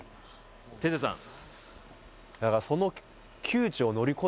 テセさん